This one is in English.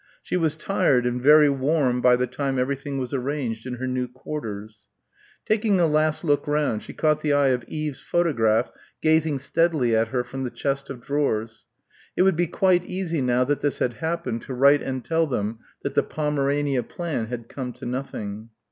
She was tired and very warm by the time everything was arranged in her new quarters. Taking a last look round she caught the eye of Eve's photograph gazing steadily at her from the chest of drawers.... It would be quite easy now that this had happened to write and tell them that the Pomerania plan had come to nothing.